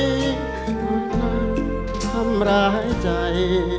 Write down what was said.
คุณรักทำร้ายใจ